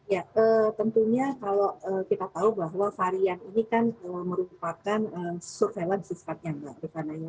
ya tentunya kalau kita tahu bahwa varian ini kan merupakan surveillance disekatnya